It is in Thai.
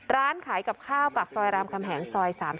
ร้านขายกับข้าวปากซอยรามคำแหงซอย๓๐